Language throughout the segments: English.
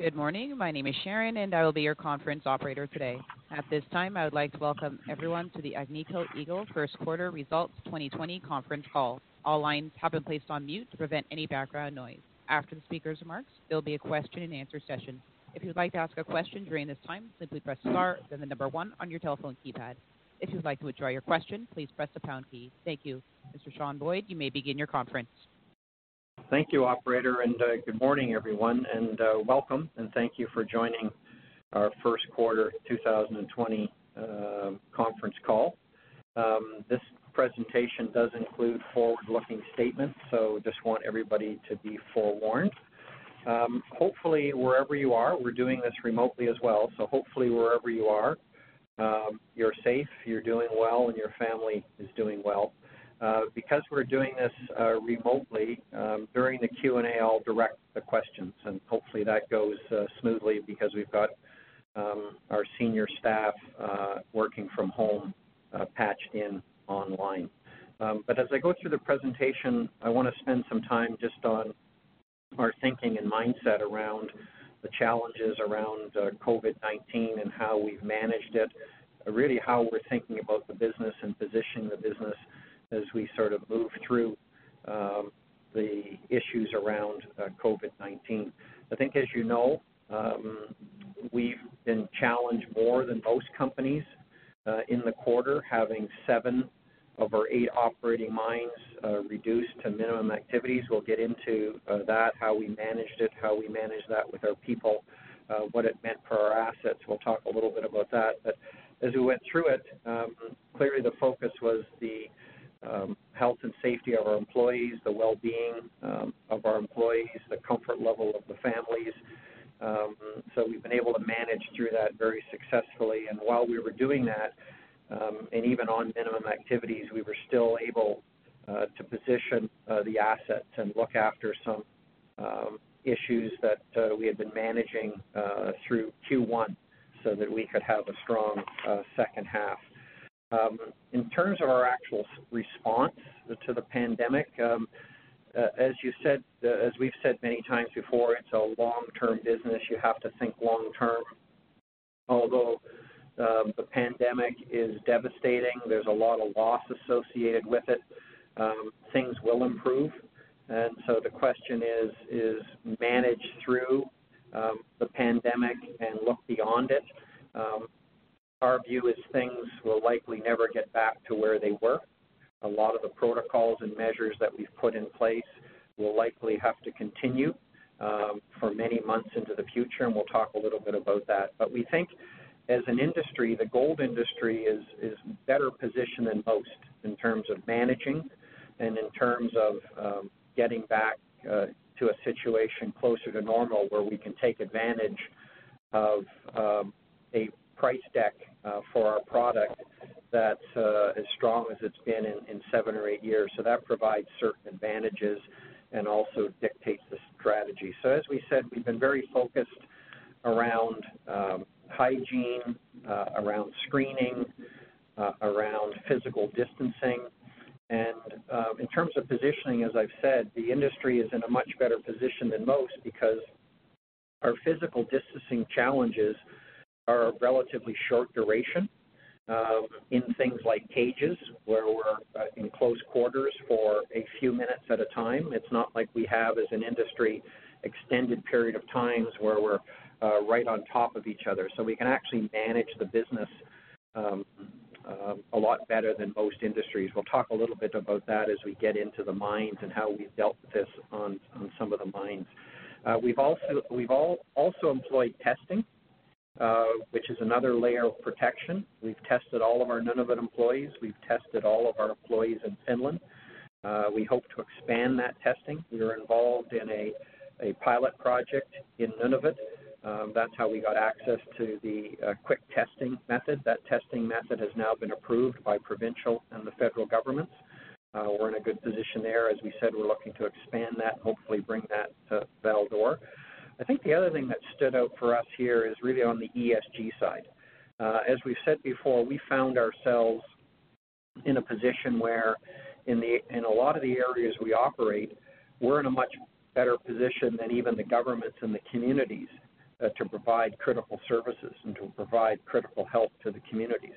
Good morning. My name is Sharon, and I will be your conference operator today. At this time, I would like to welcome everyone to the Agnico Eagle First Quarter Results 2020 Conference Call. All lines have been placed on mute to prevent any background noise. After the speaker's remarks, there'll be a question and answer session. If you'd like to ask a question during this time, simply press star, then the number one on your telephone keypad. If you'd like to withdraw your question, please press the pound key. Thank you. Mr. Sean Boyd, you may begin your conference. Thank you, operator, and good morning everyone, and welcome. Thank you for joining our first quarter 2020 conference call. This presentation does include forward-looking statements, so just want everybody to be forewarned. Hopefully, wherever you are, we're doing this remotely as well, so hopefully wherever you are, you're safe, you're doing well, and your family is doing well. Because we're doing this remotely, during the Q&A, I'll direct the questions, and hopefully that goes smoothly because we've got our senior staff working from home patched in online. As I go through the presentation, I want to spend some time just on our thinking and mindset around the challenges around COVID-19 and how we've managed it, really how we're thinking about the business and positioning the business as we sort of move through the issues around COVID-19. I think as you know, we've been challenged more than most companies in the quarter, having seven of our eight operating mines reduced to minimum activities. We'll get into that, how we managed it, how we managed that with our people, what it meant for our assets. We'll talk a little bit about that. As we went through it, clearly the focus was the health and safety of our employees, the well-being of our employees, the comfort level of the families. We've been able to manage through that very successfully. While we were doing that, and even on minimum activities, we were still able to position the assets and look after some issues that we had been managing through Q1 so that we could have a strong second half. In terms of our actual response to the pandemic, as we've said many times before, it's a long-term business. You have to think long term. Although the pandemic is devastating, there's a lot of loss associated with it, things will improve, and so the question is manage through the pandemic and look beyond it. Our view is things will likely never get back to where they were. A lot of the protocols and measures that we've put in place will likely have to continue for many months into the future, and we'll talk a little bit about that. We think as an industry, the gold industry is better positioned than most in terms of managing and in terms of getting back to a situation closer to normal where we can take advantage of a price deck for our product that's as strong as it's been in seven or eight years. That provides certain advantages and also dictates the strategy. As we said, we've been very focused around hygiene, around screening, around physical distancing. In terms of positioning, as I've said, the industry is in a much better position than most because our physical distancing challenges are a relatively short duration in things like cages where we're in close quarters for a few minutes at a time. It's not like we have, as an industry, extended period of times where we're right on top of each other. We can actually manage the business a lot better than most industries. We'll talk a little bit about that as we get into the mines and how we've dealt with this on some of the mines. We've also employed testing, which is another layer of protection. We've tested all of our Nunavut employees. We've tested all of our employees in Finland. We hope to expand that testing. We are involved in a pilot project in Nunavut. That's how we got access to the quick testing method. That testing method has now been approved by provincial and the federal governments. We're in a good position there. As we said, we're looking to expand that, hopefully bring that to Val d'Or. I think the other thing that stood out for us here is really on the ESG side. As we've said before, we found ourselves in a position where in a lot of the areas we operate, we're in a much better position than even the governments and the communities to provide critical services and to provide critical help to the communities.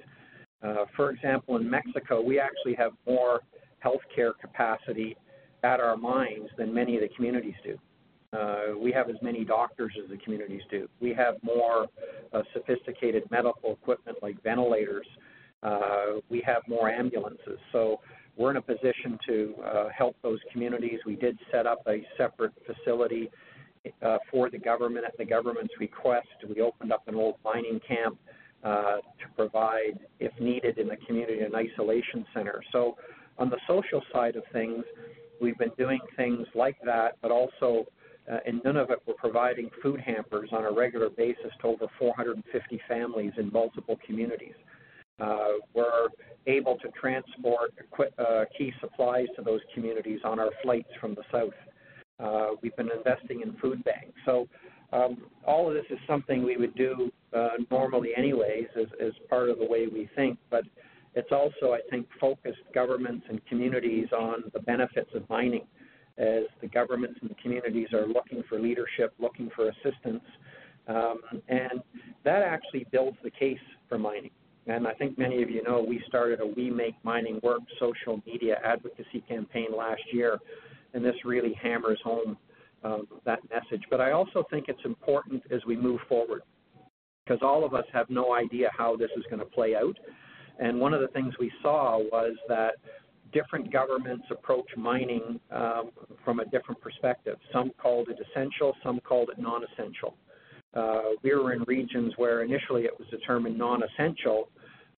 For example, in Mexico, we actually have more healthcare capacity at our mines than many of the communities do. We have as many doctors as the communities do. We have more sophisticated medical equipment like ventilators. We have more ambulances. We're in a position to help those communities. We did set up a separate facility for the government at the government's request. We opened up an old mining camp to provide, if needed in the community, an isolation center. On the social side of things, we've been doing things like that, but also in Nunavut, we're providing food hampers on a regular basis to over 450 families in multiple communities. We're able to transport key supplies to those communities on our flights from the south. We've been investing in food banks. All of this is something we would do normally anyway as part of the way we think, but it's also, I think, focused governments and communities on the benefits of mining as the governments and communities are looking for leadership, looking for assistance. That actually builds the case for mining. I think many of you know, we started a We Make Mining Work social media advocacy campaign last year, and this really hammers home that message. I also think it's important as we move forward, because all of us have no idea how this is going to play out, and one of the things we saw was that different governments approach mining from a different perspective. Some called it essential, some called it non-essential. We were in regions where initially it was determined non-essential,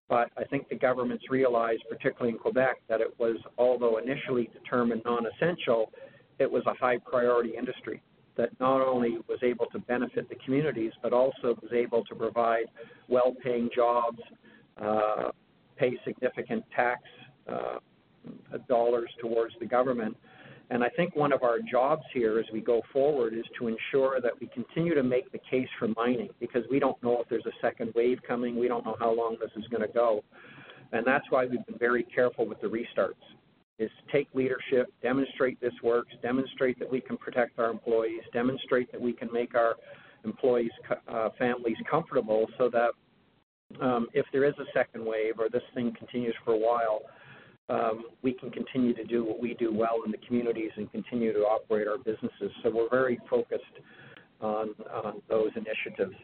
but I think the governments realized, particularly in Quebec, that it was, although initially determined non-essential, it was a high priority industry that not only was able to benefit the communities, but also was able to provide well-paying jobs, pay significant tax dollars towards the government. I think one of our jobs here as we go forward is to ensure that we continue to make the case for mining because we don't know if there's a second wave coming. We don't know how long this is going to go. That's why we've been very careful with the restarts, is to take leadership, demonstrate this works, demonstrate that we can protect our employees, demonstrate that we can make our employees' families comfortable so that if there is a second wave or this thing continues for a while, we can continue to do what we do well in the communities and continue to operate our businesses. We're very focused on those initiatives.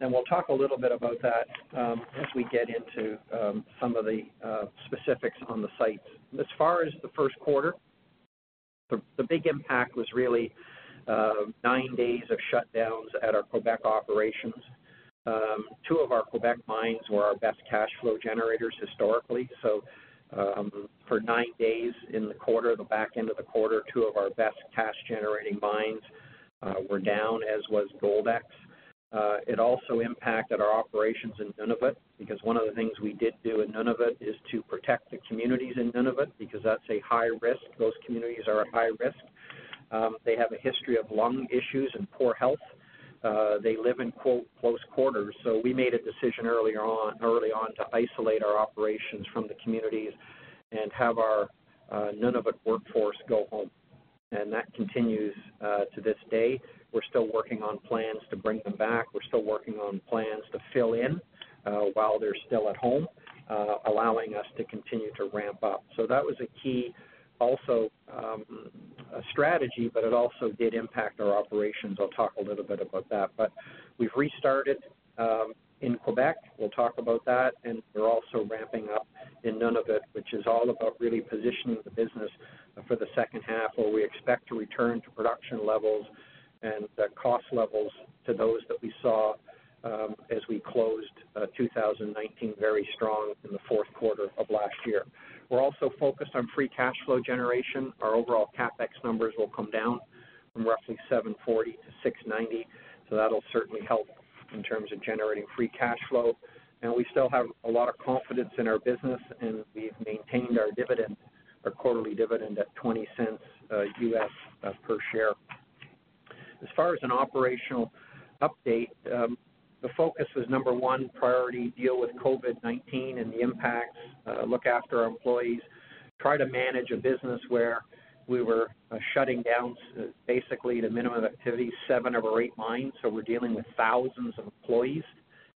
We'll talk a little bit about that as we get into some of the specifics on the sites. As far as the first quarter, the big impact was really nine days of shutdowns at our Quebec operations. Two of our Quebec mines were our best cash flow generators historically. For nine days in the quarter, the back end of the quarter, two of our best cash generating mines were down, as was Goldex. It also impacted our operations in Nunavut because one of the things we did do in Nunavut is to protect the communities in Nunavut because that's a high risk. Those communities are a high risk. They have a history of lung issues and poor health. They live in close quarters. We made a decision early on to isolate our operations from the communities and have our Nunavut workforce go home. That continues to this day. We're still working on plans to bring them back. We're still working on plans to fill in while they're still at home, allowing us to continue to ramp up. That was a key, also, strategy, but it also did impact our operations. I'll talk a little bit about that. We've restarted in Quebec. We'll talk about that. We're also ramping up in Nunavut, which is all about really positioning the business for the second half, where we expect to return to production levels and the cost levels to those that we saw as we closed 2019 very strong in the fourth quarter of last year. We're also focused on free cash flow generation. Our overall CapEx numbers will come down from roughly 740 to 690. That'll certainly help in terms of generating free cash flow. We still have a lot of confidence in our business, and we've maintained our dividend, our quarterly dividend at $0.20 US per share. As far as an operational update, the focus was number one priority, deal with COVID-19 and the impacts, look after our employees, try to manage a business where we were shutting down basically to minimum activity, seven of our eight mines. We're dealing with thousands of employees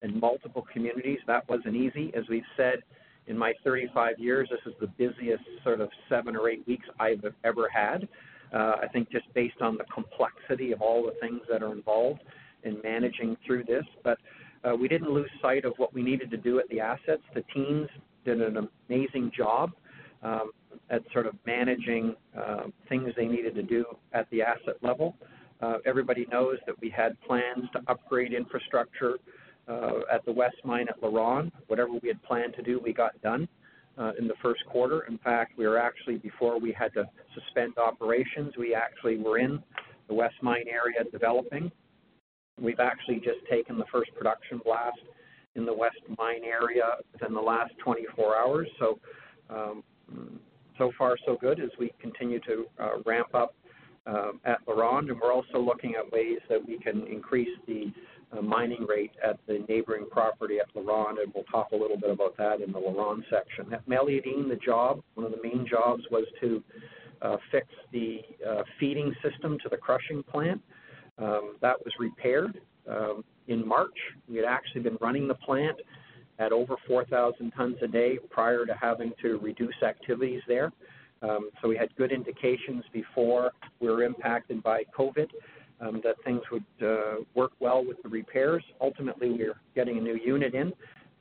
in multiple communities. That wasn't easy. As we've said, in my 35 years, this is the busiest sort of seven or eight weeks I've ever had, I think just based on the complexity of all the things that are involved in managing through this. We didn't lose sight of what we needed to do at the assets. The teams did an amazing job at sort of managing things they needed to do at the asset level. Everybody knows that we had plans to upgrade infrastructure at the West Mine at LaRonde. Whatever we had planned to do, we got done in the first quarter. In fact, we were actually, before we had to suspend operations, we actually were in the West Mine area developing. We've actually just taken the first production blast in the West Mine area within the last 24 hours. So far so good as we continue to ramp up at LaRonde. We're also looking at ways that we can increase the mining rate at the neighboring property at LaRonde, and we'll talk a little bit about that in the LaRonde section. At Meliadine, the job, one of the main jobs was to fix the feeding system to the crushing plant. That was repaired in March. We had actually been running the plant at over 4,000 tons a day prior to having to reduce activities there. We had good indications before we were impacted by COVID-19, that things would work well with the repairs. Ultimately, we're getting a new unit in,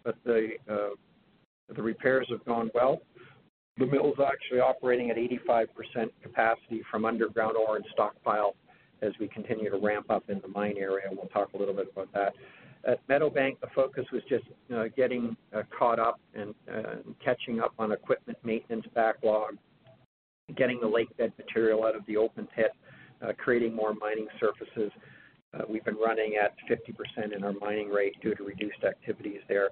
but the repairs have gone well. The mill's actually operating at 85% capacity from underground ore and stockpile as we continue to ramp up in the mine area, and we'll talk a little bit about that. At Meadowbank, the focus was just getting caught up and catching up on equipment maintenance backlog, getting the lake bed material out of the open pit, creating more mining surfaces. We've been running at 50% in our mining rate due to reduced activities there.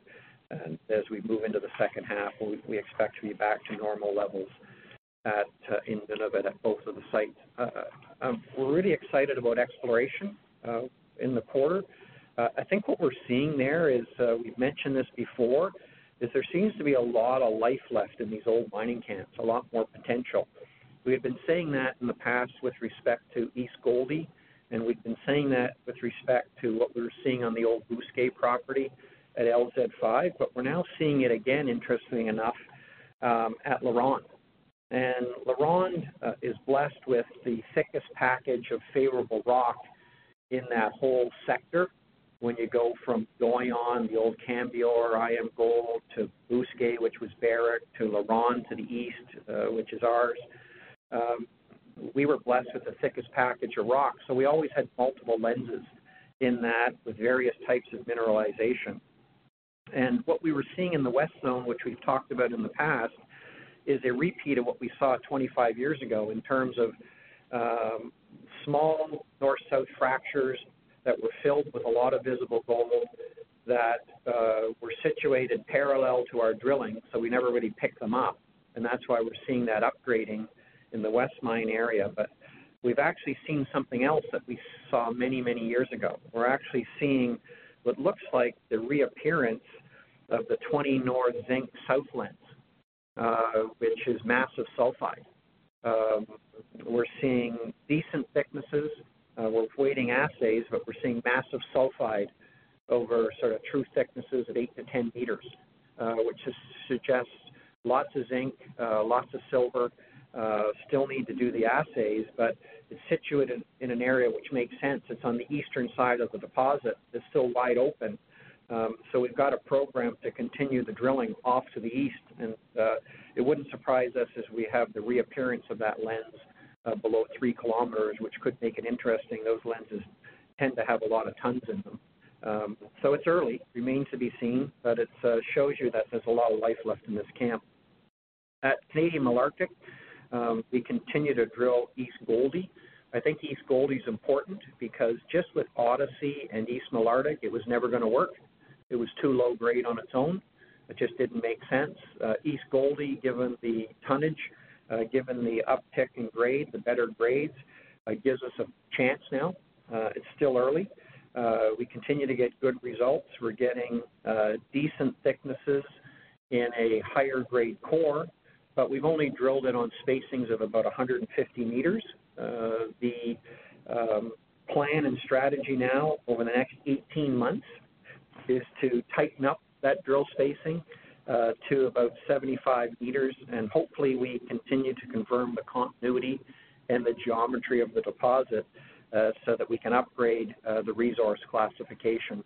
As we move into the second half, we expect to be back to normal levels in Nunavut at both of the sites. We're really excited about exploration in the quarter. I think what we're seeing there is, we've mentioned this before, is there seems to be a lot of life left in these old mining camps, a lot more potential. We have been saying that in the past with respect to East Gouldie, we've been saying that with respect to what we were seeing on the old Bousquet property at LZ5. We're now seeing it again, interestingly enough, at LaRonde. LaRonde is blessed with the thickest package of favorable rock in that whole sector. When you go from going on the old Cambior, IAMGOLD, to Bousquet, which was Barrick, to LaRonde to the east, which is ours, we were blessed with the thickest package of rock. We always had multiple lenses in that with various types of mineralization. What we were seeing in the west zone, which we've talked about in the past, is a repeat of what we saw 25 years ago in terms of small north-south fractures that were filled with a lot of visible gold that were situated parallel to our drilling, so we never really picked them up. That's why we're seeing that upgrading in the west mine area. We've actually seen something else that we saw many, many years ago. We're actually seeing what looks like the reappearance of the 20 North Zinc South lens, which is massive sulfide. We're seeing decent thicknesses. We're awaiting assays. We're seeing massive sulfide over true thicknesses of 8 to 10 meters, which suggests lots of zinc, lots of silver. Still need to do the assays. It's situated in an area which makes sense. It's on the eastern side of the deposit that's still wide open. We've got a program to continue the drilling off to the east. It wouldn't surprise us as we have the reappearance of that lens below three kilometers, which could make it interesting. Those lenses tend to have a lot of tons in them. It's early, remains to be seen. It shows you that there's a lot of life left in this camp. At Canadian Malartic, we continue to drill East Gouldie. I think East Gouldie's important because just with Odyssey and East Malartic, it was never going to work. It was too low grade on its own. It just didn't make sense. East Gouldie, given the tonnage, given the uptick in grade, the better grades, it gives us a chance now. It's still early. We continue to get good results. We're getting decent thicknesses in a higher grade core, but we've only drilled it on spacings of about 150 meters. The plan and strategy now over the next 18 months is to tighten up that drill spacing to about 75 meters, and hopefully we continue to confirm the continuity and the geometry of the deposit so that we can upgrade the resource classification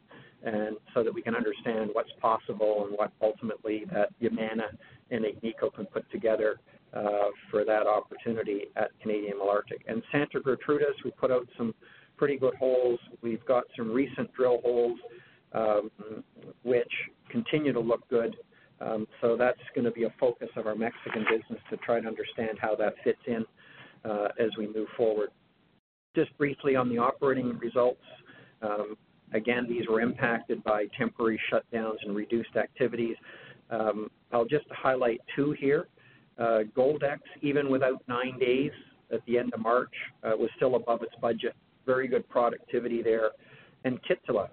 so that we can understand what's possible and what ultimately Yamana and Agnico can put together for that opportunity at Canadian Malartic. Santa Gertrudis, we put out some pretty good holes. We've got some recent drill holes, which continue to look good. That's going to be a focus of our Mexican business to try to understand how that fits in as we move forward. Just briefly on the operating results. Again, these were impacted by temporary shutdowns and reduced activities. I'll just highlight two here. Goldex, even without nine days at the end of March, was still above its budget. Very good productivity there. Kittilä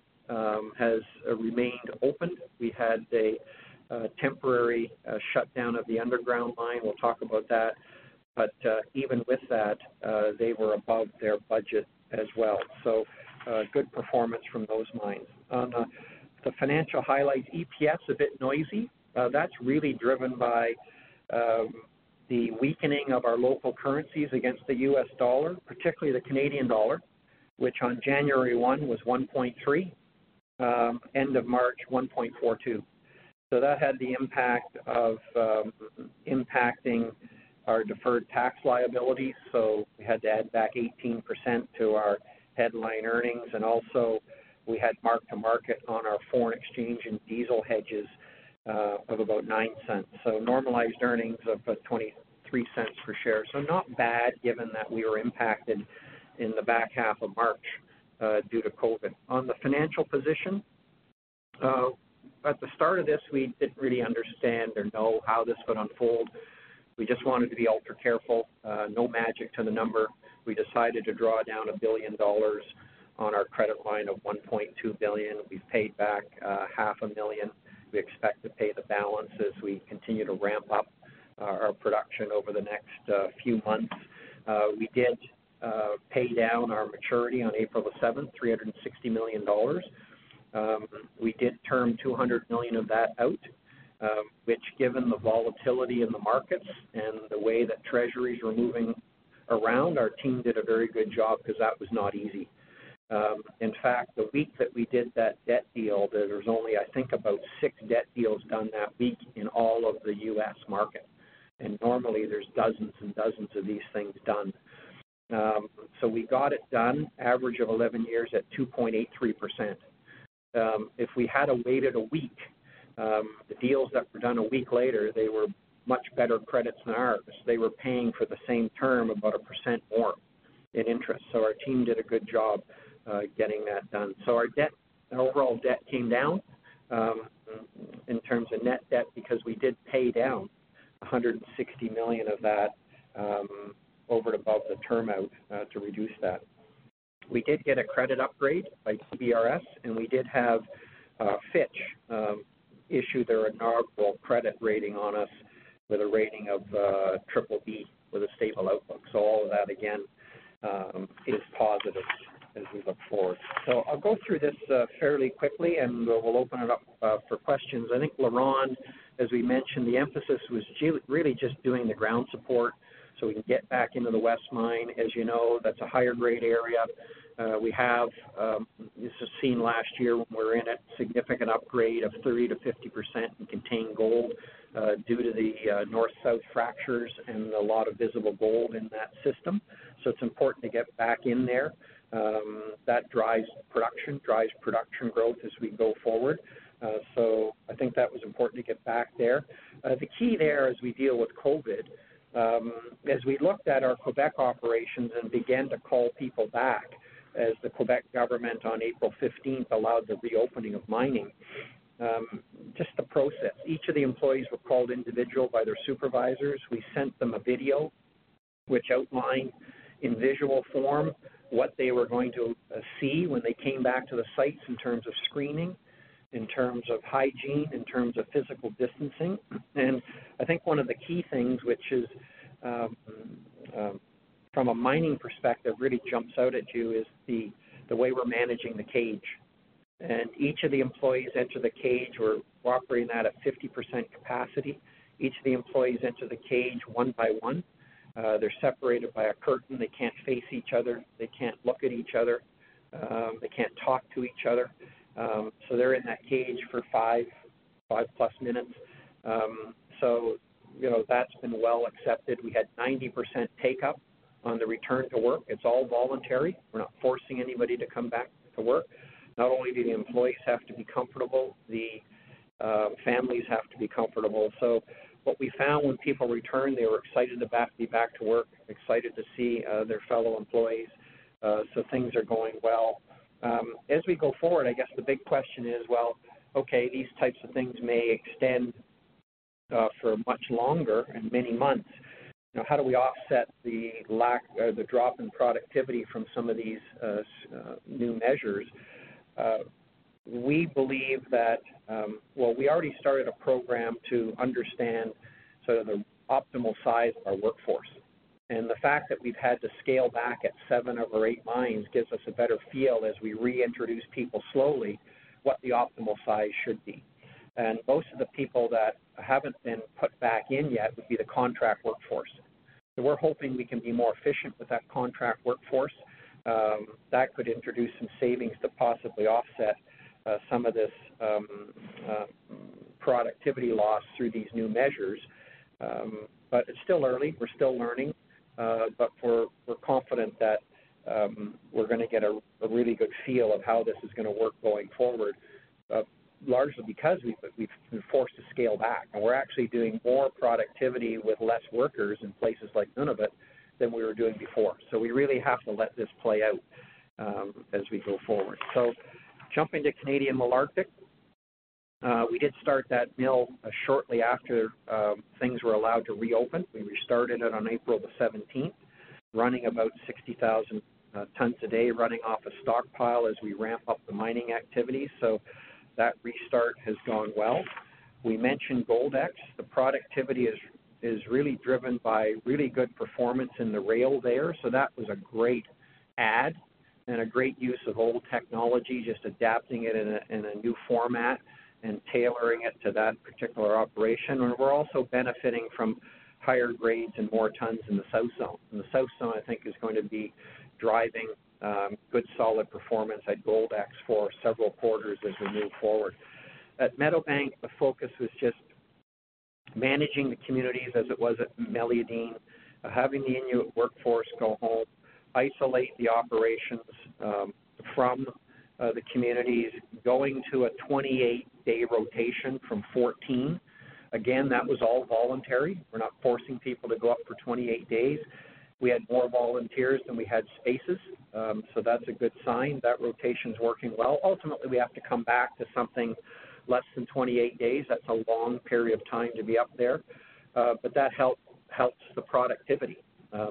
has remained open. We had a temporary shutdown of the underground mine. We'll talk about that. Even with that, they were above their budget as well. Good performance from those mines. On the financial highlights, EPS, a bit noisy. That's really driven by the weakening of our local currencies against the US dollar, particularly the Canadian dollar, which on January 1 was 1.3, end of March, 1.42. That had the impact of impacting our deferred tax liability, we had to add back 18% to our headline earnings. Also we had mark-to-market on our foreign exchange and diesel hedges of about 0.09. Normalized earnings of 0.23 per share. Not bad given that we were impacted in the back half of March due to COVID-19. On the financial position, at the start of this, we didn't really understand or know how this would unfold. We just wanted to be ultra careful. No magic to the number. We decided to draw down 1 billion dollars on our credit line of 1.2 billion. We've paid back half a billion. We expect to pay the balance as we continue to ramp up our production over the next few months. We did pay down our maturity on April the seventh, 360 million dollars. We did term 200 million of that out, which given the volatility in the markets and the way that treasuries were moving around, our team did a very good job because that was not easy. In fact, the week that we did that debt deal, there was only, I think, about six debt deals done that week in all of the U.S. market. Normally there's dozens and dozens of these things done. We got it done, average of 11 years at 2.83%. If we had awaited a week, the deals that were done a week later, they were much better credits than ours. They were paying for the same term about a percent more in interest. Our team did a good job getting that done. Our overall debt came down in terms of net debt because we did pay down 160 million of that over and above the term out to reduce that. We did get a credit upgrade by DBRS, and we did have Fitch issue their inaugural credit rating on us with a rating of BBB with a stable outlook. All of that, again, is positive as we look forward. I'll go through this fairly quickly, and we'll open it up for questions. I think LaRonde, as we mentioned, the emphasis was really just doing the ground support so we can get back into the West Mine. As you know, that's a higher grade area. We have, this was seen last year when we were in it, significant upgrade of 30% to 50% in contained gold due to the north-south fractures and a lot of visible gold in that system. It's important to get back in there. That drives production growth as we go forward. I think that was important to get back there. The key there as we deal with COVID, as we looked at our Quebec operations and began to call people back as the Quebec government on April 15th allowed the reopening of mining, just the process. Each of the employees were called individual by their supervisors. We sent them a video which outlined in visual form what they were going to see when they came back to the sites in terms of screening, in terms of hygiene, in terms of physical distancing. I think one of the key things, which is from a mining perspective really jumps out at you, is the way we're managing the cage. Each of the employees enter the cage. We're operating that at 50% capacity. Each of the employees enter the cage one by one. They're separated by a curtain. They can't face each other. They can't look at each other. They can't talk to each other. They're in that cage for five plus minutes. That's been well accepted. We had 90% take up on the return to work. It's all voluntary. We're not forcing anybody to come back to work. Not only do the employees have to be comfortable, the families have to be comfortable. What we found when people returned, they were excited to be back to work, excited to see their fellow employees. Things are going well. As we go forward, I guess the big question is, well, okay, these types of things may extend for much longer and many months. How do we offset the drop in productivity from some of these new measures? We believe that, well, we already started a program to understand the optimal size of our workforce. The fact that we've had to scale back at seven of our eight mines gives us a better feel as we reintroduce people slowly what the optimal size should be. Most of the people that haven't been put back in yet would be the contract workforce. We're hoping we can be more efficient with that contract workforce. That could introduce some savings to possibly offset some of this productivity loss through these new measures. It's still early. We're still learning. We're confident that we're going to get a really good feel of how this is going to work going forward, largely because we've been forced to scale back. We're actually doing more productivity with less workers in places like Nunavut than we were doing before. We really have to let this play out as we go forward. Jumping to Canadian Malartic, we did start that mill shortly after things were allowed to reopen. We restarted it on April the 17th, running about 60,000 tons a day, running off a stockpile as we ramp up the mining activity. That restart has gone well. We mentioned Goldex. The productivity is really driven by really good performance in the rail there. That was a great add and a great use of old technology, just adapting it in a new format and tailoring it to that particular operation. We're also benefiting from higher grades and more tons in the South Zone. The South Zone, I think, is going to be driving good solid performance at Goldex for several quarters as we move forward. At Meadowbank, the focus was just managing the communities as it was at Meliadine, having the Inuit workforce go home, isolate the operations from the communities, going to a 28-day rotation from 14. Again, that was all voluntary. We're not forcing people to go up for 28 days. We had more volunteers than we had spaces. That's a good sign. That rotation's working well. Ultimately, we have to come back to something less than 28 days. That's a long period of time to be up there. That helps the productivity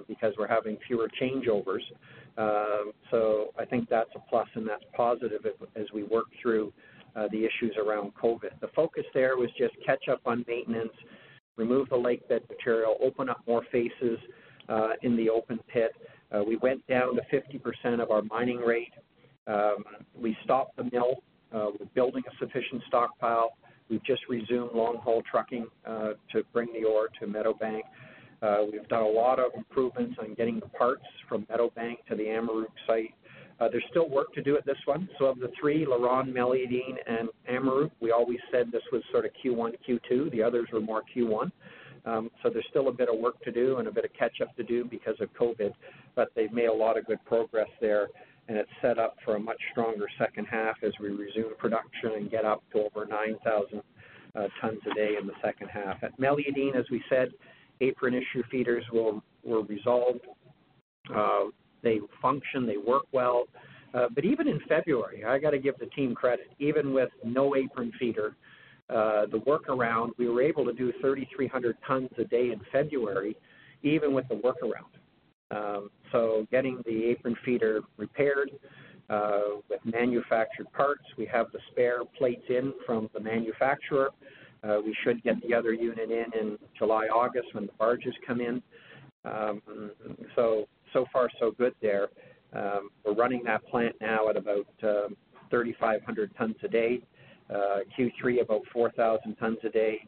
because we're having fewer changeovers. I think that's a plus and that's positive as we work through the issues around COVID. The focus there was just catch up on maintenance, remove the lakebed material, open up more faces in the open pit. We went down to 50% of our mining rate. We stopped the mill. We're building a sufficient stockpile. We've just resumed long-haul trucking to bring the ore to Meadowbank. We've done a lot of improvements on getting the parts from Meadowbank to the Amaruq site. There's still work to do at this one. Of the three, LaRonde, Meliadine, and Amaruq, we always said this was sort of Q1, Q2. The others were more Q1. There's still a bit of work to do and a bit of catch up to do because of COVID-19, but they've made a lot of good progress there, and it's set up for a much stronger second half as we resume production and get up to over 9,000 tons a day in the second half. At Meliadine, as we said, apron issue feeders were resolved. They function, they work well. Even in February, I've got to give the team credit. Even with no apron feeder, the workaround, we were able to do 3,300 tons a day in February, even with the workaround. Getting the apron feeder repaired with manufactured parts, we have the spare plates in from the manufacturer. We should get the other unit in in July, August, when the barges come in. Far so good there. We're running that plant now at about 3,500 tons a day. Q3, about 4,000 tons a day.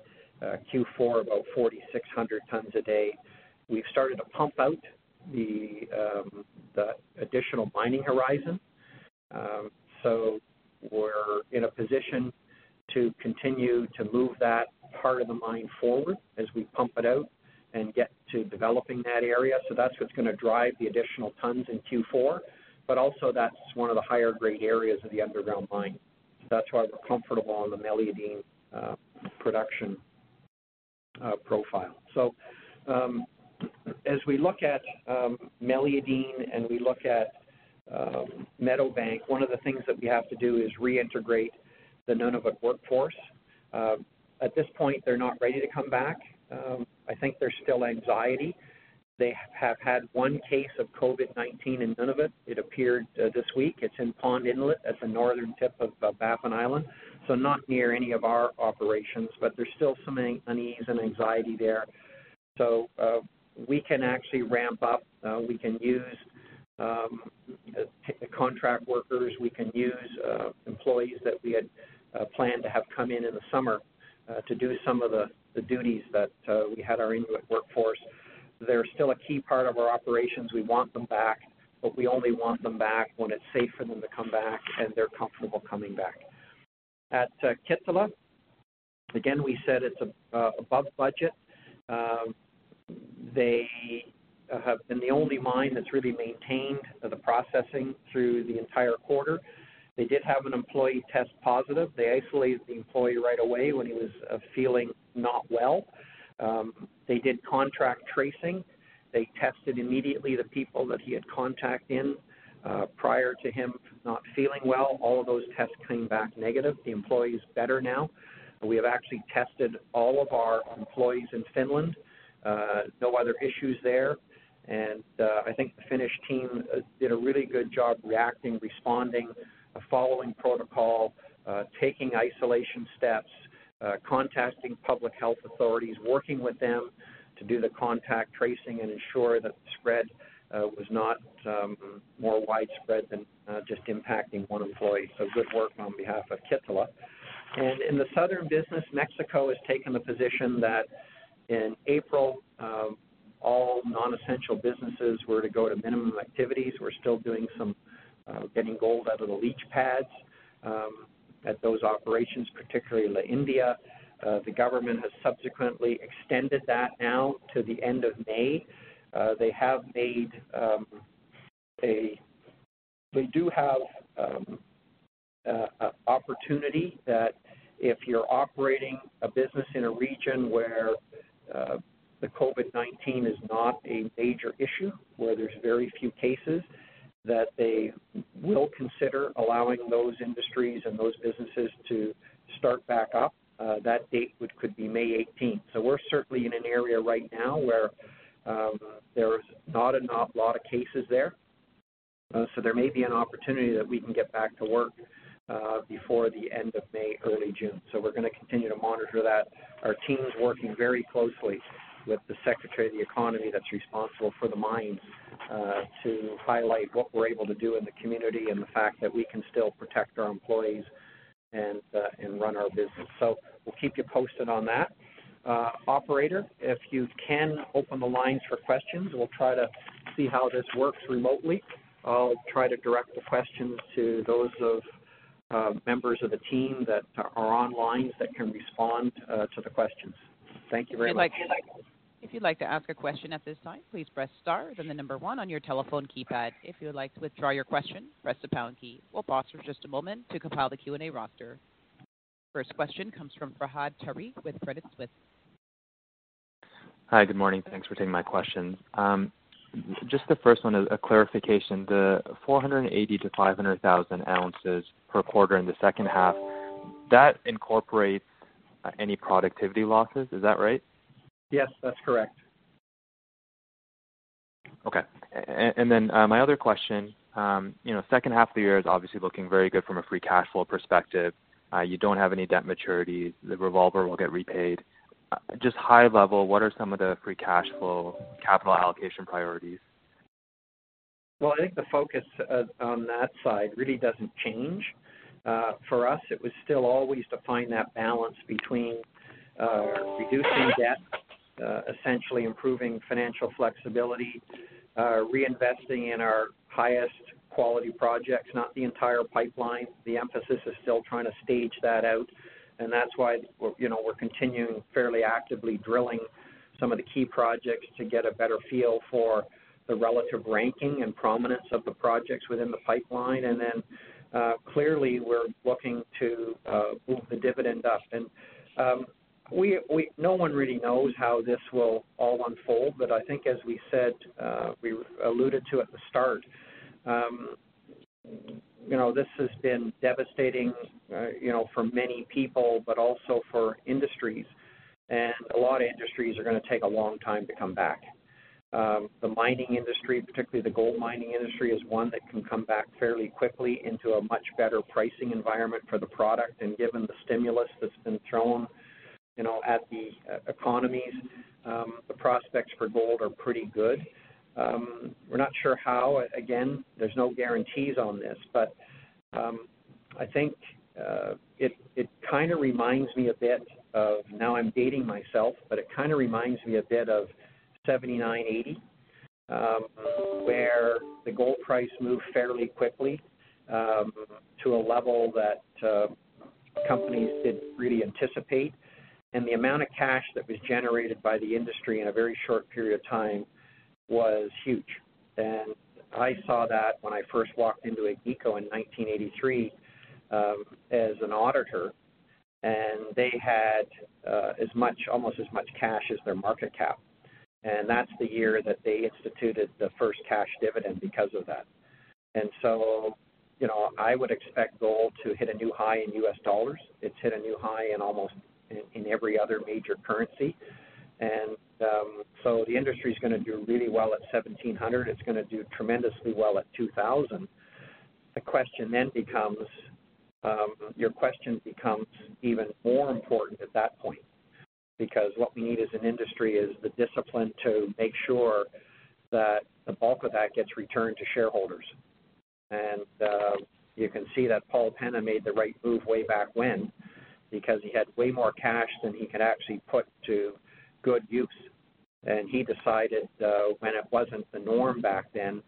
Q4, about 4,600 tons a day. We've started to pump out the additional mining horizon. We're in a position to continue to move that part of the mine forward as we pump it out and get to developing that area. That's what's going to drive the additional tons in Q4, but also that's one of the higher grade areas of the underground mine. That's why we're comfortable on the Meliadine production profile. As we look at Meliadine and we look at Meadowbank, one of the things that we have to do is reintegrate the Nunavut workforce. At this point, they're not ready to come back. I think there's still anxiety. They have had one case of COVID-19 in Nunavut. It appeared this week. It's in Pond Inlet. That's the northern tip of Baffin Island, not near any of our operations, but there's still some unease and anxiety there. We can actually ramp up. We can use contract workers. We can use employees that we had planned to have come in in the summer to do some of the duties that we had our Inuit workforce. They're still a key part of our operations. We want them back, but we only want them back when it's safe for them to come back and they're comfortable coming back. At Kittilä, again, we said it's above budget. They have been the only mine that's really maintained the processing through the entire quarter. They did have an employee test positive. They isolated the employee right away when he was feeling not well. They did contract tracing. They tested immediately the people that he had contact in prior to him not feeling well. All of those tests came back negative. The employee is better now. We have actually tested all of our employees in Finland. No other issues there. I think the Finnish team did a really good job reacting, responding, following protocol, taking isolation steps, contacting public health authorities, working with them to do the contact tracing and ensure that the spread was not more widespread than just impacting one employee. Good work on behalf of Kittilä. In the southern business, Mexico has taken the position that in April, all non-essential businesses were to go to minimum activities. We're still getting gold out of the leach pads at those operations, particularly La India. The government has subsequently extended that now to the end of May. They do have an opportunity that if you're operating a business in a region where the COVID-19 is not a major issue, where there's very few cases, that they will consider allowing those industries and those businesses to start back up. That date, which could be May 18th. We're certainly in an area right now where there is not a lot of cases there. There may be an opportunity that we can get back to work before the end of May, early June. We're going to continue to monitor that. Our team's working very closely with the Secretary of the Economy that's responsible for the mines to highlight what we're able to do in the community and the fact that we can still protect our employees and run our business. We'll keep you posted on that. Operator, if you can open the lines for questions, we'll try to see how this works remotely. I'll try to direct the questions to those members of the team that are online that can respond to the questions. Thank you very much. If you'd like to ask a question at this time, please press star, then the number one on your telephone keypad. If you would like to withdraw your question, press the pound key. We'll pause for just a moment to compile the Q&A roster. First question comes from Fahad Tariq with Credit Suisse. Hi, good morning. Thanks for taking my questions. Just the first one is a clarification. The 480,000 to 500,000 ounces per quarter in the second half, that incorporates any productivity losses. Is that right? Yes, that's correct. Okay. My other question, second half of the year is obviously looking very good from a free cash flow perspective. You don't have any debt maturities. The revolver will get repaid. Just high level, what are some of the free cash flow capital allocation priorities? Well, I think the focus on that side really doesn't change. For us, it was still always to find that balance between reducing debt, essentially improving financial flexibility, reinvesting in our highest quality projects, not the entire pipeline. The emphasis is still trying to stage that out. That's why we're continuing fairly actively drilling some of the key projects to get a better feel for the relative ranking and prominence of the projects within the pipeline. Then clearly, we're looking to move the dividend up. No one really knows how this will all unfold, but I think as we said, we alluded to at the start, this has been devastating for many people, but also for industries. A lot of industries are going to take a long time to come back. The mining industry, particularly the gold mining industry, is one that can come back fairly quickly into a much better pricing environment for the product. Given the stimulus that's been thrown at the economies, the prospects for gold are pretty good. We're not sure how, again, there's no guarantees on this, but I think it kind of reminds me a bit of, now I'm dating myself, but it kind of reminds me a bit of 1979, 1980, where the gold price moved fairly quickly to a level that companies didn't really anticipate. The amount of cash that was generated by the industry in a very short period of time was huge. I saw that when I first walked into Agnico in 1983, as an auditor, and they had almost as much cash as their market cap. That's the year that they instituted the first cash dividend because of that. I would expect gold to hit a new high in US dollars. It's hit a new high in almost in every other major currency. The industry's going to do really well at $1,700. It's going to do tremendously well at $2,000. Your question becomes even more important at that point, because what we need as an industry is the discipline to make sure that the bulk of that gets returned to shareholders. You can see that Paul Penna made the right move way back when, because he had way more cash than he could actually put to good use. He decided, when it wasn't the norm back then,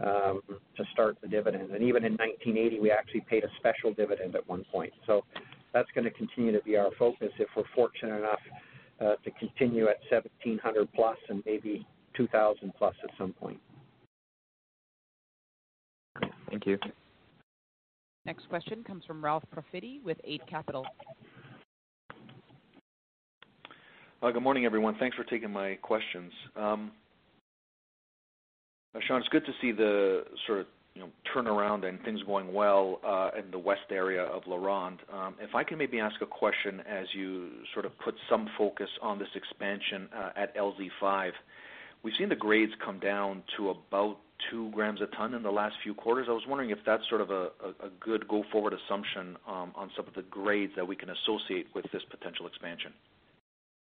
to start the dividend. Even in 1980, we actually paid a special dividend at one point. That's going to continue to be our focus if we're fortunate enough to continue at $1,700+ and maybe $2,000+ at some point. Thank you. Next question comes from Ralph Profiti with Eight Capital. Good morning, everyone. Thanks for taking my questions. Sean, it's good to see the sort of turnaround and things going well, in the west area of LaRonde. If I can maybe ask a question as you sort of put some focus on this expansion at LZ 5. We've seen the grades come down to about two grams a ton in the last few quarters. I was wondering if that's sort of a good go forward assumption on some of the grades that we can associate with this potential expansion.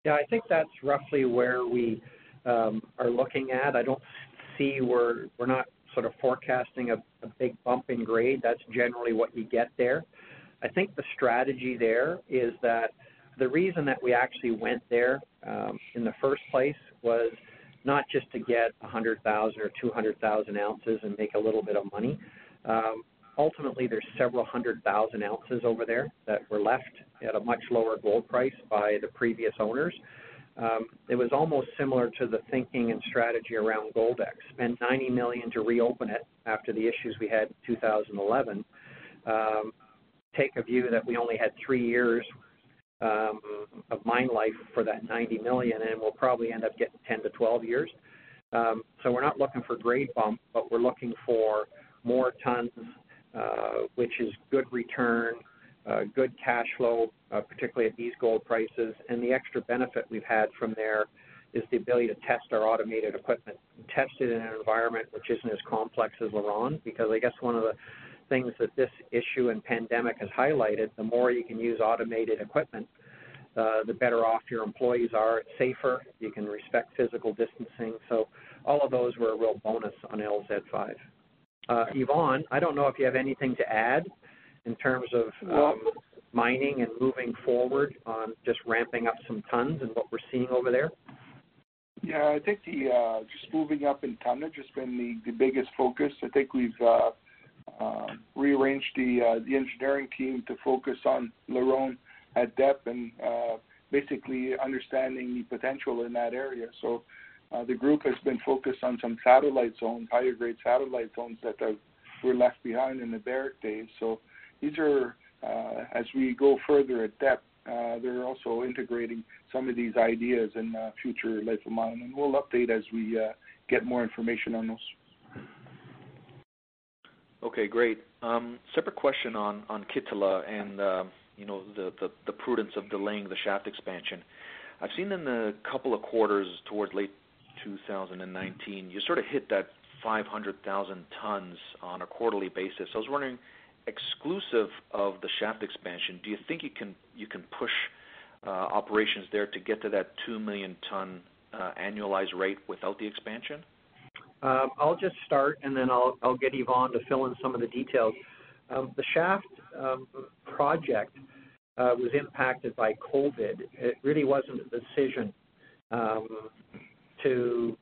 Yeah, I think that's roughly where we are looking at. We're not sort of forecasting a big bump in grade. That's generally what you get there. I think the strategy there is that the reason that we actually went there, in the first place was not just to get 100,000 or 200,000 ounces and make a little bit of money. Ultimately, there's several hundred thousand ounces over there that were left at a much lower gold price by the previous owners. It was almost similar to the thinking and strategy around Goldex. Spent 90 million to reopen it after the issues we had in 2011. Take a view that we only had three years of mine life for that 90 million, and we'll probably end up getting 10-12 years. We're not looking for grade bump, but we're looking for more tons, which is good return, good cash flow, particularly at these gold prices. The extra benefit we've had from there is the ability to test our automated equipment. Test it in an environment which isn't as complex as LaRonde, because I guess one of the things that this issue and pandemic has highlighted, the more you can use automated equipment, the better off your employees are. It's safer. You can respect physical distancing. All of those were a real bonus on LZ 5. Yvon, I don't know if you have anything to add in terms of mining and moving forward on just ramping up some tons and what we're seeing over there. Yeah, I think just moving up in tonnage has been the biggest focus. I think we've rearranged the engineering team to focus on LaRonde at depth and basically understanding the potential in that area. The group has been focused on some satellite zones, higher grade satellite zones that were left behind in the Barrick days. These are, as we go further at depth, they're also integrating some of these ideas in future life of mining, and we'll update as we get more information on those. Okay, great. Separate question on Kittilä and the prudence of delaying the shaft expansion. I've seen in the couple of quarters toward late 2019, you sort of hit that 500,000 tons on a quarterly basis. I was wondering, exclusive of the shaft expansion, do you think you can push operations there to get to that 2 million ton annualized rate without the expansion? I'll just start, and then I'll get Yvon to fill in some of the details. The shaft project was impacted by COVID. It really wasn't a decision to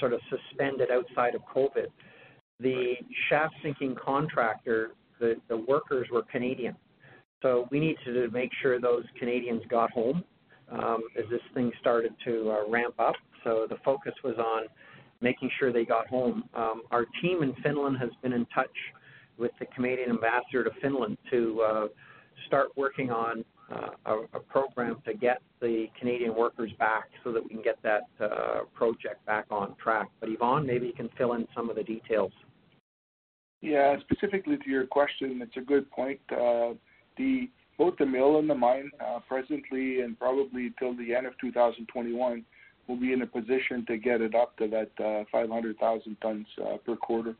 sort of suspend it outside of COVID. Right. The shaft sinking contractor, the workers were Canadian. We needed to make sure those Canadians got home. As this thing started to ramp up, the focus was on making sure they got home. Our team in Finland has been in touch with the Canadian ambassador to Finland to start working on a program to get the Canadian workers back so that we can get that project back on track. Yvon, maybe you can fill in some of the details. Yeah. Specifically to your question, it's a good point. Both the mill and the mine, presently and probably till the end of 2021, will be in a position to get it up to that 500,000 tons per quarter.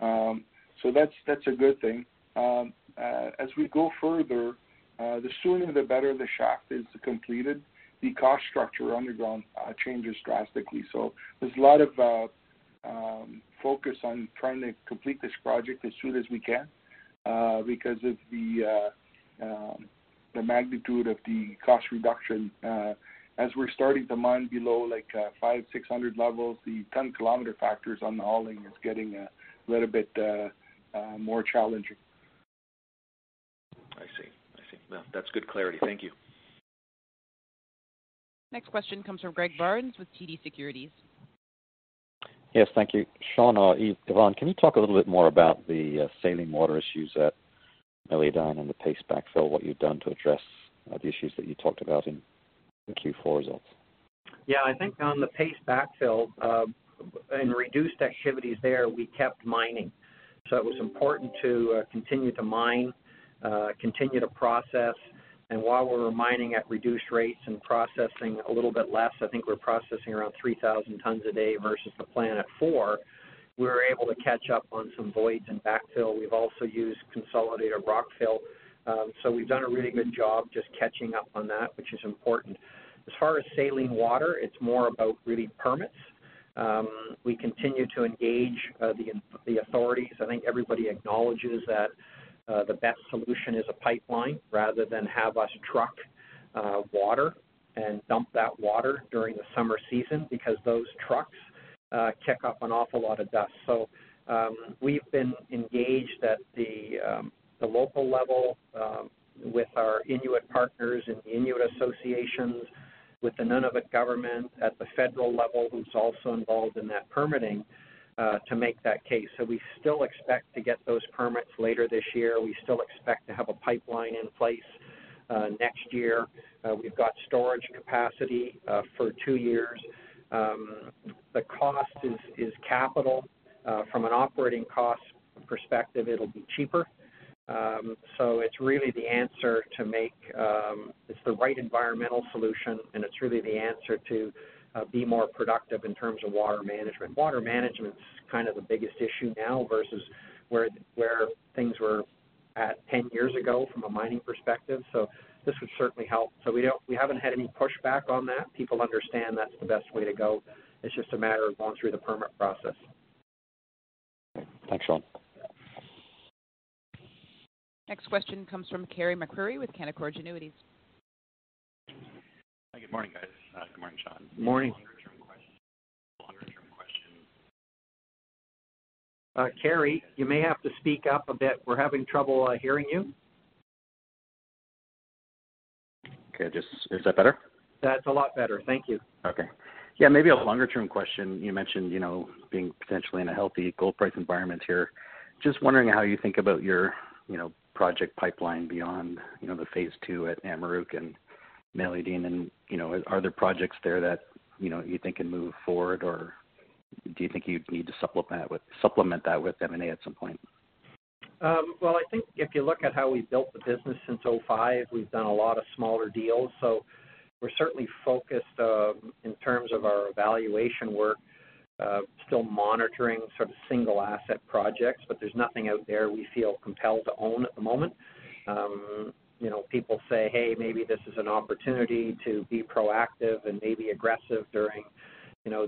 That's a good thing. As we go further, the sooner the better the shaft is completed, the cost structure underground changes drastically. There's a lot of focus on trying to complete this project as soon as we can because of the magnitude of the cost reduction. As we're starting to mine below 500, 600 levels, the 10-kilometer factors on the hauling is getting a little bit more challenging. I see. Well, that's good clarity. Thank you. Next question comes from Greg Barnes with TD Securities. Yes, thank you. Sean or Yvon, can you talk a little bit more about the saline water issues at Meliadine and the paste backfill, what you've done to address the issues that you talked about in the Q4 results? Yeah, I think on the paste backfill, in reduced activities there, we kept mining. It was important to continue to mine, continue to process. While we were mining at reduced rates and processing a little bit less, I think we were processing around 3,000 tons a day versus the plan at 4, we were able to catch up on some voids in backfill. We've also used consolidated rockfill. We've done a really good job just catching up on that, which is important. As far as saline water, it's more about really permits. We continue to engage the authorities. I think everybody acknowledges that the best solution is a pipeline rather than have us truck water and dump that water during the summer season because those trucks kick up an awful lot of dust. We've been engaged at the local level with our Inuit partners and Inuit associations, with the Nunavut government at the federal level who's also involved in that permitting to make that case. We still expect to get those permits later this year. We still expect to have a pipeline in place next year. We've got storage capacity for two years. The cost is CapEx. From an operating cost perspective, it'll be cheaper. It's the right environmental solution, and it's really the answer to be more productive in terms of water management. Water management's kind of the biggest issue now versus where things were at 10 years ago from a mining perspective. This would certainly help. We haven't had any pushback on that. People understand that's the best way to go. It's just a matter of going through the permit process. Okay. Thanks, Sean. Next question comes from Carey MacRury with Canaccord Genuity. Good morning, guys. Good morning, Sean. Morning. A longer term question. Carey, you may have to speak up a bit. We're having trouble hearing you. Okay, is that better? That's a lot better. Thank you. Okay. Yeah, maybe a longer-term question. You mentioned being potentially in a healthy gold price environment here. Just wondering how you think about your project pipeline beyond the phase II at Amaruq and Meliadine, Are there projects there that you think can move forward, or do you think you'd need to supplement that with M&A at some point? I think if you look at how we've built the business since 2005, we've done a lot of smaller deals. We're certainly focused, in terms of our evaluation work, still monitoring sort of single asset projects, but there's nothing out there we feel compelled to own at the moment. People say, "Hey, maybe this is an opportunity to be proactive and maybe aggressive during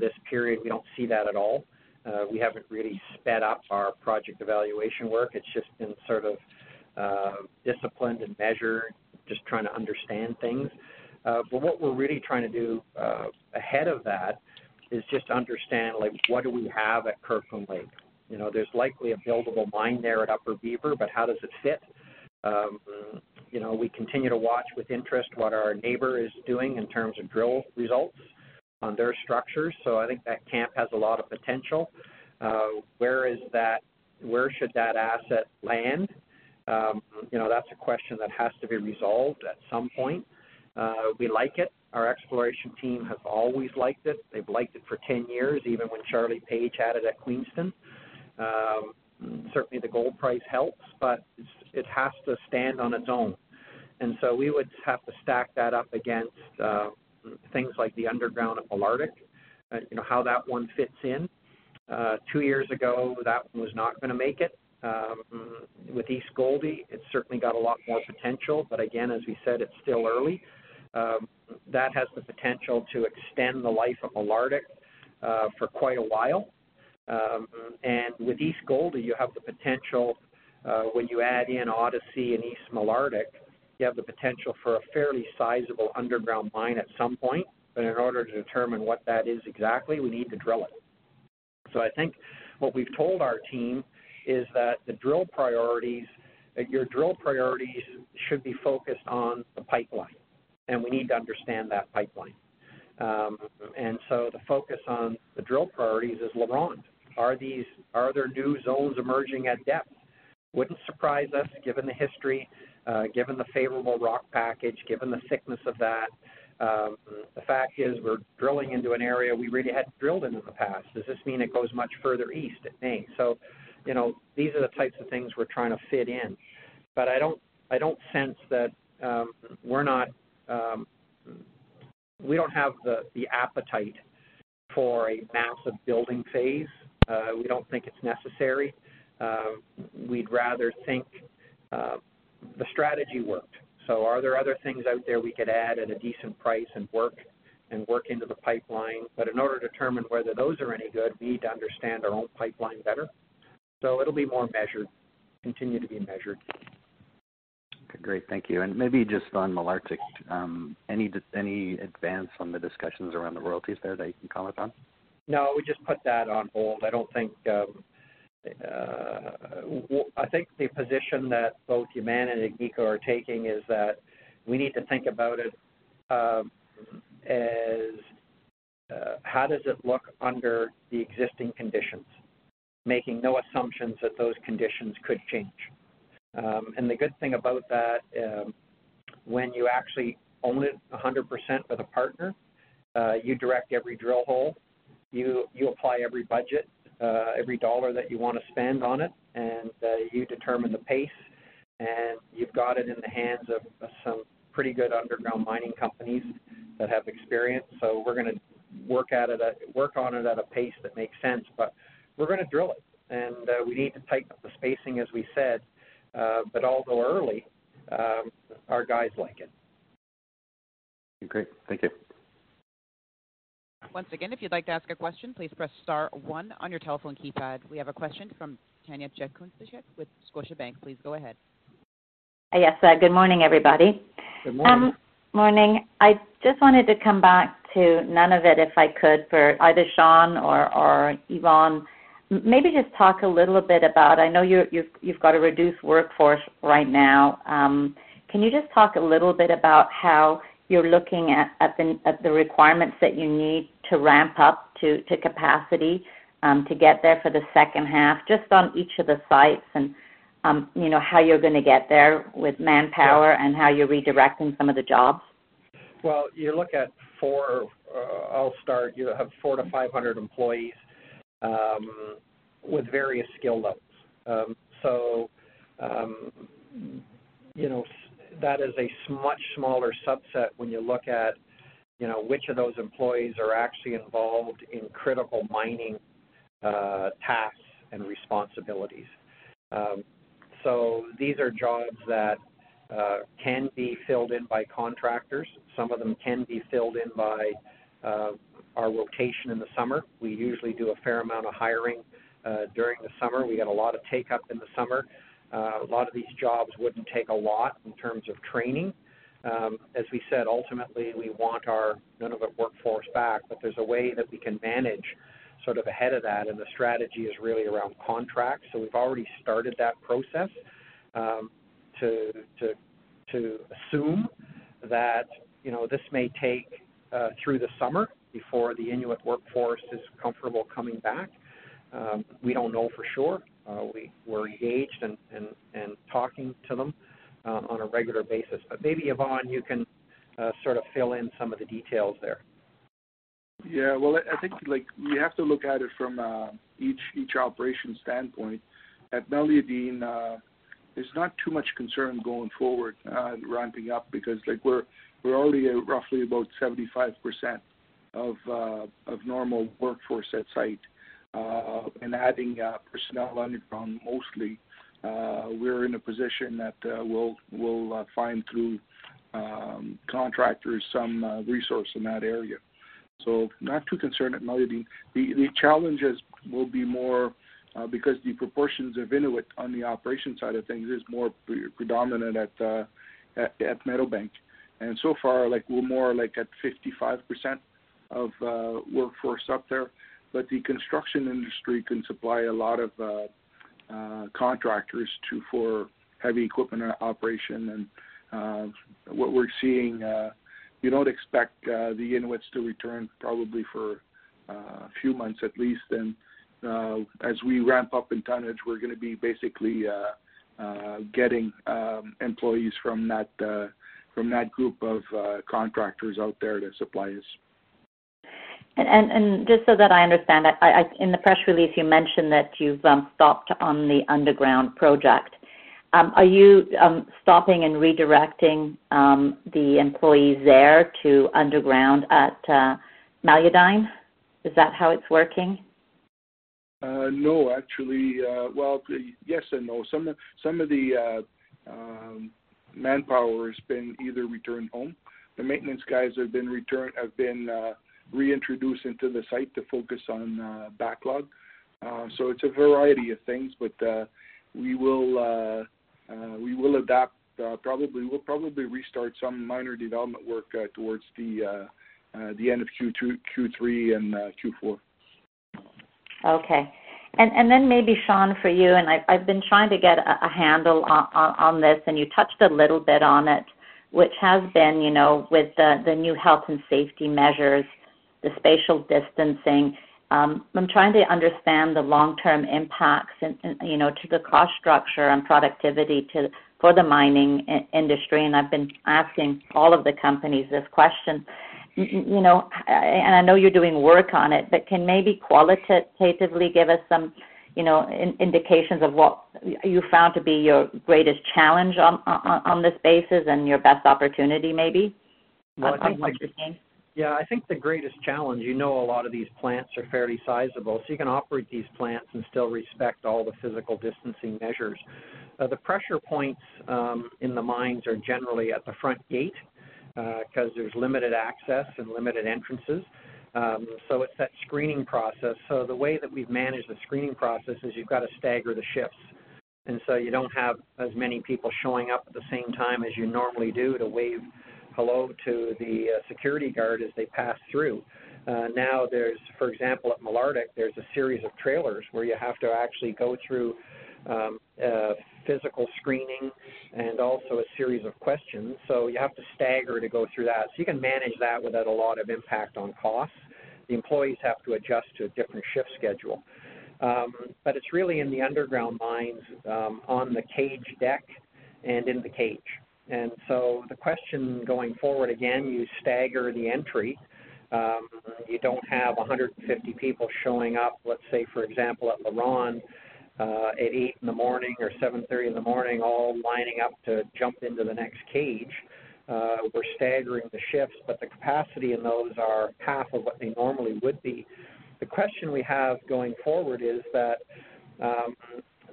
this period." We don't see that at all. We haven't really sped up our project evaluation work. It's just been sort of disciplined and measured, just trying to understand things. What we're really trying to do ahead of that is just understand what do we have at Kirkland Lake. There's likely a buildable mine there at Upper Beaver, how does it fit? We continue to watch with interest what our neighbor is doing in terms of drill results on their structures. I think that camp has a lot of potential. Where should that asset land? That's a question that has to be resolved at some point. We like it. Our exploration team has always liked it. They've liked it for 10 years, even when Charlie Page had it at Queenston. Certainly, the gold price helps, but it has to stand on its own. We would have to stack that up against things like the underground of Malartic, how that one fits in. Two years ago, that one was not going to make it. With East Gouldie, it's certainly got a lot more potential. Again, as we said, it's still early. That has the potential to extend the life of Malartic for quite a while. With East Gouldie, when you add in Odyssey and East Malartic, you have the potential for a fairly sizable underground mine at some point. In order to determine what that is exactly, we need to drill it. I think what we've told our team is that your drill priorities should be focused on the pipeline, and we need to understand that pipeline. The focus on the drill priorities is LaRonde. Are there new zones emerging at depth? Wouldn't surprise us given the history, given the favorable rock package, given the thickness of that. The fact is we're drilling into an area we really hadn't drilled into the past. Does this mean it goes much further east? It may. These are the types of things we're trying to fit in. I don't sense that we don't have the appetite for a massive building phase. We don't think it's necessary. We'd rather think the strategy worked. Are there other things out there we could add at a decent price and work into the pipeline? In order to determine whether those are any good, we need to understand our own pipeline better. It'll be more measured, continue to be measured. Okay, great. Thank you. Maybe just on Malartic, any advance on the discussions around the royalties there that you can comment on? No, we just put that on hold. I think the position that both Yamana and Agnico are taking is that we need to think about it as how does it look under the existing conditions, making no assumptions that those conditions could change. The good thing about that, when you actually own it 100% with a partner, you direct every drill hole, you apply every budget, every dollar that you want to spend on it, and you determine the pace, and you've got it in the hands of some pretty good underground mining companies that have experience. We're going to work on it at a pace that makes sense, but we're going to drill it. We need to tighten up the spacing, as we said. Although early, our guys like it. Great. Thank you. Once again, if you'd like to ask a question, please press star one on your telephone keypad. We have a question from Tanya Jakusconek with Scotiabank. Please go ahead. Yes. Good morning, everybody. Good morning. Morning. I just wanted to come back to Nunavut, if I could, for either Sean or Yvon. Maybe just talk a little bit about, I know you've got a reduced workforce right now. Can you just talk a little bit about how you're looking at the requirements that you need to ramp up to capacity to get there for the second half, just on each of the sites and how you're going to get there with manpower and how you're redirecting some of the jobs? Well, you have 400 to 500 employees with various skill levels. That is a much smaller subset when you look at which of those employees are actually involved in critical mining tasks and responsibilities. These are jobs that can be filled in by contractors. Some of them can be filled in by our rotation in the summer. We usually do a fair amount of hiring during the summer. We get a lot of take-up in the summer. A lot of these jobs wouldn't take a lot in terms of training. As we said, ultimately, we want our Nunavut workforce back, but there's a way that we can manage ahead of that, and the strategy is really around contracts. We've already started that process to assume that this may take through the summer before the Inuit workforce is comfortable coming back. We don't know for sure. We're engaged and talking to them on a regular basis. Maybe, Yvon, you can fill in some of the details there. Yeah. Well, I think you have to look at it from each operation standpoint. At Meliadine, there's not too much concern going forward ramping up because we're already at roughly about 75% of normal workforce at site. Adding personnel on it from mostly, we're in a position that we'll find through contractors some resource in that area. Not too concerned at Meliadine. The challenges will be more because the proportions of Inuit on the operation side of things is more predominant at Meadowbank. So far, we're more at 55% of workforce up there. The construction industry can supply a lot of contractors too for heavy equipment operation. What we're seeing, you don't expect the Inuits to return probably for a few months at least, and as we ramp up in tonnage, we're going to be basically getting employees from that group of contractors out there to supply us. Just so that I understand, in the press release, you mentioned that you've stopped on the underground project. Are you stopping and redirecting the employees there to underground at Meliadine? Is that how it's working? No, actually. Well, yes and no. Some of the manpower has been either returned home. The maintenance guys have been reintroduced into the site to focus on backlog. It's a variety of things, but we will adapt. We'll probably restart some minor development work towards the end of Q2, Q3, and Q4. Okay. Then maybe, Sean, for you, I've been trying to get a handle on this. You touched a little bit on it, which has been with the new health and safety measures, the spatial distancing. I'm trying to understand the long-term impacts to the cost structure and productivity for the mining industry. I've been asking all of the companies this question. I know you're doing work on it, but can, maybe qualitatively, give us some indications of what you found to be your greatest challenge on this basis and your best opportunity, maybe? Yeah. I think the greatest challenge, you know a lot of these plants are fairly sizable, so you can operate these plants and still respect all the physical distancing measures. The pressure points in the mines are generally at the front gate, because there's limited access and limited entrances. It's that screening process. The way that we've managed the screening process is you've got to stagger the shifts. You don't have as many people showing up at the same time as you normally do to wave hello to the security guard as they pass through. Now there's, for example, at Malartic, there's a series of trailers where you have to actually go through physical screening and also a series of questions. You have to stagger to go through that. You can manage that without a lot of impact on costs. The employees have to adjust to a different shift schedule. It's really in the underground mines, on the cage deck and in the cage. The question going forward, again, you stagger the entry. You don't have 150 people showing up, let's say, for example, at LaRonde, at 8:00 in the morning or 7:30 in the morning, all lining up to jump into the next cage. We're staggering the shifts, but the capacity in those are half of what they normally would be. The question we have going forward is that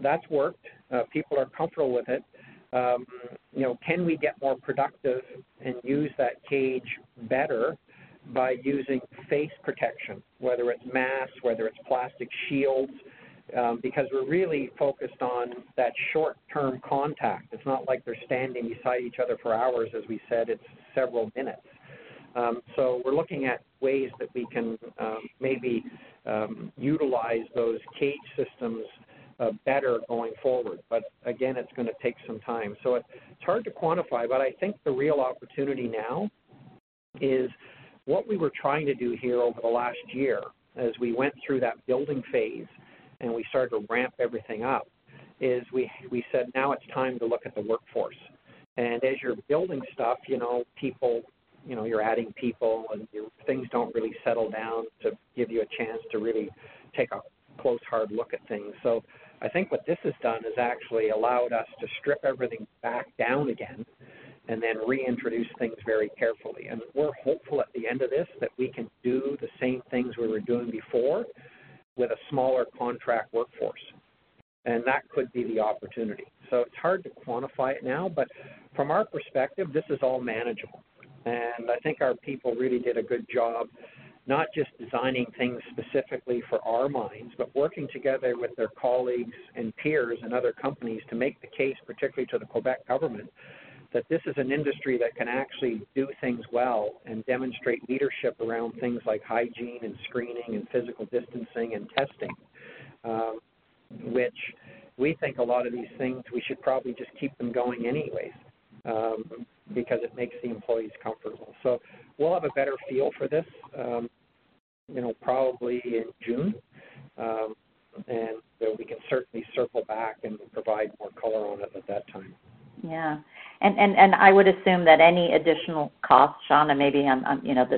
that's worked. People are comfortable with it. Can we get more productive and use that cage better by using face protection, whether it's masks, whether it's plastic shields? Because we're really focused on that short-term contact. It's not like they're standing beside each other for hours. As we said, it's several minutes. We're looking at ways that we can maybe utilize those cage systems better going forward. Again, it's going to take some time. It's hard to quantify, but I think the real opportunity now is what we were trying to do here over the last year as we went through that building phase and we started to ramp everything up, is we said, "Now it's time to look at the workforce." As you're building stuff, you're adding people, and things don't really settle down to give you a chance to really take a close, hard look at things. I think what this has done is actually allowed us to strip everything back down again and then reintroduce things very carefully. We're hopeful at the end of this that we can do the same things we were doing before with a smaller contract workforce, and that could be the opportunity. It's hard to quantify it now, but from our perspective, this is all manageable. I think our people really did a good job, not just designing things specifically for our mines, but working together with their colleagues and peers in other companies to make the case, particularly to the Quebec government, that this is an industry that can actually do things well and demonstrate leadership around things like hygiene and screening and physical distancing and testing, which we think a lot of these things, we should probably just keep them going anyways, because it makes the employees comfortable. We'll have a better feel for this probably in June, and we can certainly circle back and provide more color on it at that time. Yeah. I would assume that any additional costs, Sean, and maybe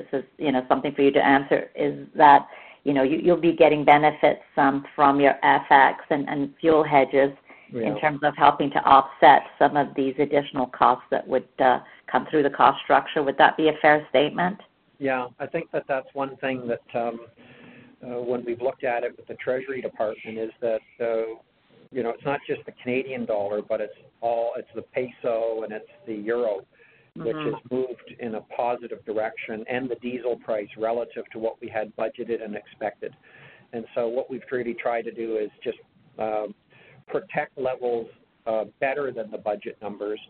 this is something for you to answer, is that you'll be getting benefits from your FX and fuel hedges. Yeah In terms of helping to offset some of these additional costs that would come through the cost structure. Would that be a fair statement? Yeah. I think that that's one thing that when we've looked at it with the treasury department is that, it's not just the Canadian dollar, but it's the peso and it's the euro. Which has moved in a positive direction, the diesel price relative to what we had budgeted and expected. What we've really tried to do is just protect levels better than the budget numbers.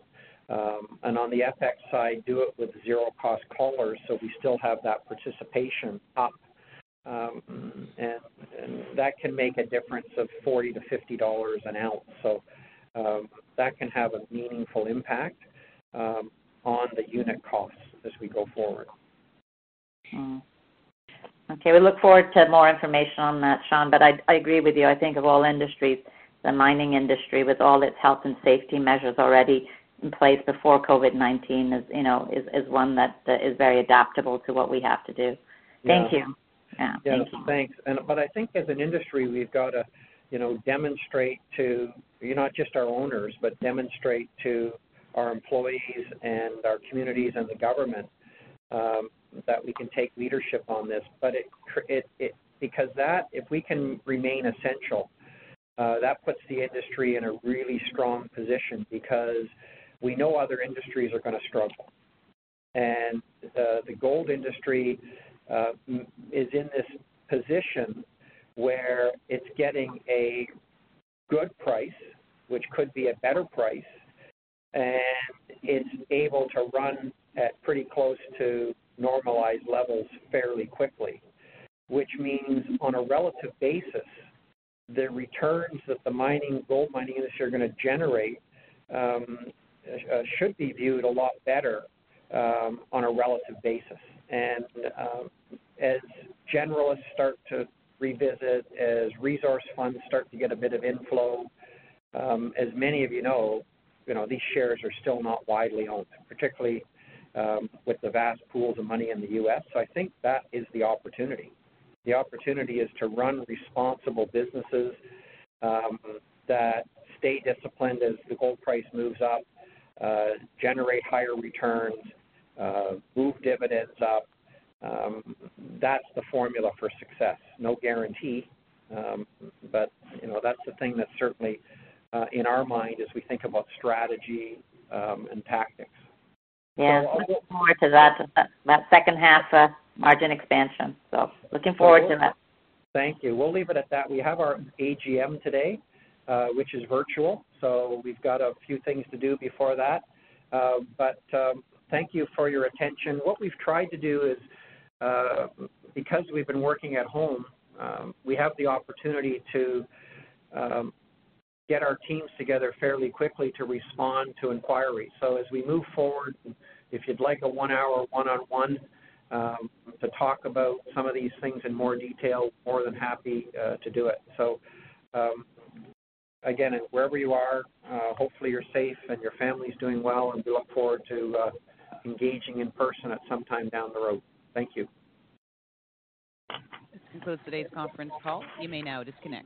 On the FX side, do it with zero-cost collars so we still have that participation up. That can make a difference of 40-50 dollars an ounce. That can have a meaningful impact on the unit costs as we go forward. Okay. We look forward to more information on that, Sean, but I agree with you. I think of all industries, the mining industry, with all its health and safety measures already in place before COVID-19, is one that is very adaptable to what we have to do. Yeah. Thank you. Yeah. Thank you. Yeah. Thanks. I think as an industry, we've got to demonstrate to not just our owners, but demonstrate to our employees and our communities and the government that we can take leadership on this. Because if we can remain essential, that puts the industry in a really strong position because we know other industries are going to struggle. The gold industry is in this position where it's getting a good price, which could be a better price, and it's able to run at pretty close to normalized levels fairly quickly. Which means on a relative basis, the returns that the gold mining industry are going to generate should be viewed a lot better on a relative basis. As generalists start to revisit, as resource funds start to get a bit of inflow, as many of you know, these shares are still not widely owned, particularly with the vast pools of money in the U.S. I think that is the opportunity. The opportunity is to run responsible businesses that stay disciplined as the gold price moves up, generate higher returns, move dividends up. That's the formula for success. No guarantee, but that's the thing that's certainly in our mind as we think about strategy and tactics. Yeah. Looking forward to that second half margin expansion. Looking forward to that. Thank you. We'll leave it at that. We have our AGM today, which is virtual, so we've got a few things to do before that. Thank you for your attention. What we've tried to do is, because we've been working at home, we have the opportunity to get our teams together fairly quickly to respond to inquiries. As we move forward, if you'd like a one-hour one-on-one to talk about some of these things in more detail, more than happy to do it. Again, wherever you are, hopefully you're safe and your family's doing well, and we look forward to engaging in person at some time down the road. Thank you. This concludes today's conference call. You may now disconnect.